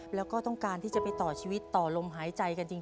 แล้วก็ต้องการที่จะไปต่อชีวิตต่อลมหายใจกันจริง